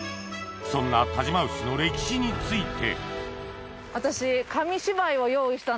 そんな但馬牛の歴史について私。